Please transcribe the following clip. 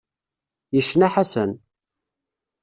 Yecna Ḥasan.